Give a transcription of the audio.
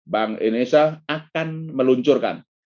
bank indonesia akan meluncurkan